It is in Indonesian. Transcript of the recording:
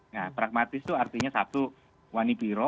nah pragmatis itu artinya satu wani biro